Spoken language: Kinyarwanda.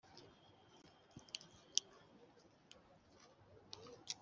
Nuko atera hejuru ati mfane n abafilisitiya muri uwo munsi mukuru